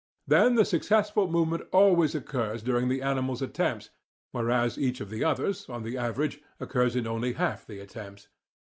Then the successful movement always occurs during the animal's attempts, whereas each of the others, on the average, occurs in only half the attempts.